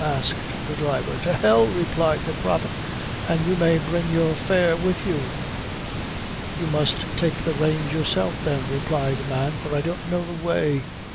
asked the driver. "To hell!" replied the Prophet, "an you may bring your fare with you." "You must take the reins yourself, then," replied the man, "for I don't know the way."